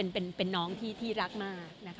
เป็นน้องที่รักมาก